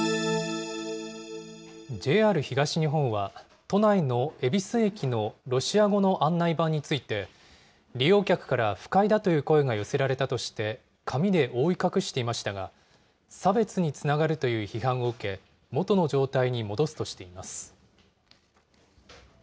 ＪＲ東日本は、都内の恵比寿駅のロシア語の案内板について、利用客から不快だという声が寄せられたとして、紙で覆い隠していましたが、差別につながるという批判を受け、元の状態に戻すとしています。